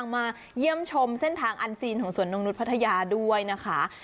มาเยี่ยมชมเส้นทางอันซีนของสวนนกนุษย์พัทยาด้วยนะคะ